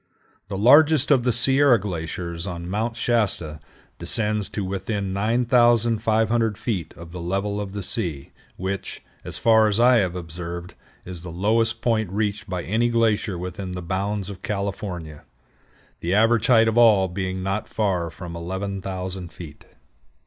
The largest of the Sierra glaciers on Mount Shasta descends to within 9500 feet of the level of the sea, which, as far as I have observed, is the lowest point reached by any glacier within the bounds of California, the average height of all being not far from 11,000 feet.